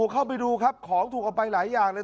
เข้าไปดูครับของถูกเอาไปหลายอย่างเลย